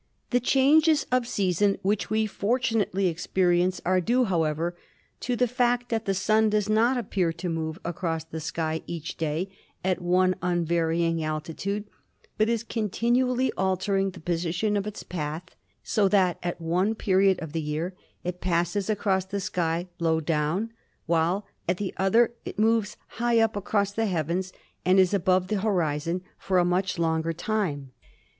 "The changes of season which we fortunately experi ence are due, however, to the fact that the Sun does not appear to move across the sky each day at one unvarying altitude, but is continually altering the position of its path, so that at one period of the year it passes across the sky low down, while at another it moves high up across the heavens and is above the horizon for a much longer time.